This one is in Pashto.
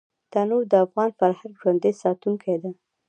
تنور د افغان فرهنګ ژوندي ساتونکی دی